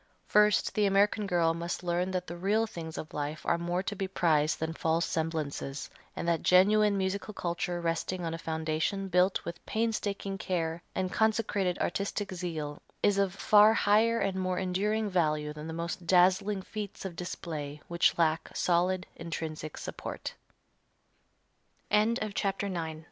First, the American girl must learn that the real things of life are more to be prized than false semblances, and that genuine musical culture resting on a foundation built with painstaking care and consecrated artistic zeal, is of far higher and more enduring value than the most dazzling feats of display which lack solid, intrinsic support. X The Opera and Its Reformers The ev